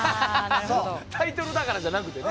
タイトルだからじゃなくてね。